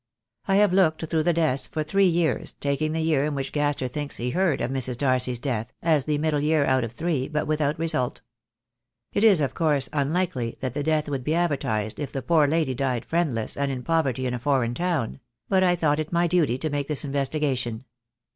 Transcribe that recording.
I have looked through the deaths for three years, taking the year in which Gaster thinks he heard of Mrs. Darcy's death, as the middle year out of three, but without result. It is of course unlikely that the death would be advertised if the poor lady died friendless and in poverty in a foreign town; but I thought it my duty to make this investigation.